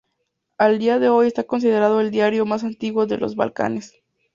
A día de hoy está considerado el diario más antiguo de los Balcanes.